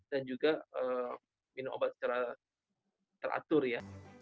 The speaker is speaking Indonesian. dan juga minum obat secara teratur ya